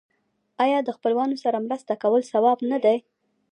آیا د خپلوانو سره مرسته کول ثواب نه دی؟